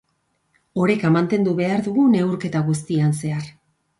Oreka mantendu behar dugu neurketa guztian zehar.